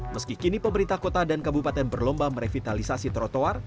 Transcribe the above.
meski kini pemerintah kota dan kabupaten berlomba merevitalisasi trotoar